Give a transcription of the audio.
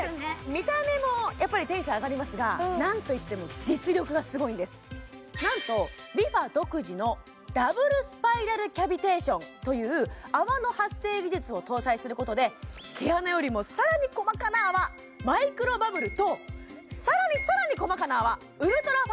見た目もテンション上がりますが何といっても実力がすごいんですなんとＲｅＦａ独自のダブルスパイラルキャビテーションという泡の発生技術を搭載することで毛穴よりもさらに細かな泡マイクロバブルとさらにさらに細かな泡ウルトラファインバブルの